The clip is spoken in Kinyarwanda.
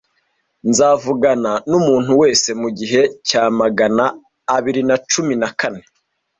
Nzavugana numuntu wese mugihe cya magana abiri na cumi na kane.